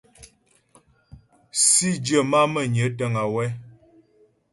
Sǐdyə má'a Mə́nyə təŋ wɛ́.